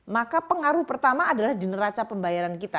maka pengaruh pertama adalah di neraca pembayaran kita